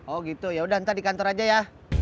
oh gitu yaudah ntar di kantor aja ya